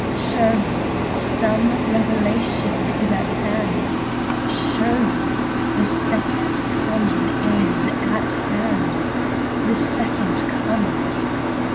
Surely some revelation is at hand; Surely the Second Coming is at hand. The Second Coming!